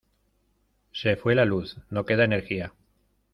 Se fue la luz, no queda energía.